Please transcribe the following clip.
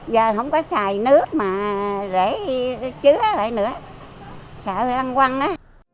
giờ không có xài nước mà rễ chứa lại nữa sợ răng quăng á